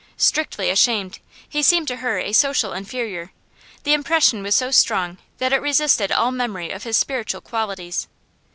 Strictly ashamed; he seemed to her a social inferior; the impression was so strong that it resisted all memory of his spiritual qualities.